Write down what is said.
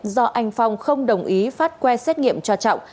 do anh phong không đồng ý phát que xét nghiệm cho trọng